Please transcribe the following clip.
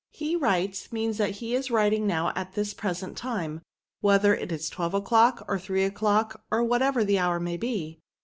He writes, means that he is writing now at this present time, whether it is twelve o'clock, or three o'clock, or whatever. the hour may be."